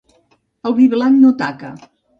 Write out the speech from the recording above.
El vi blanc no taca.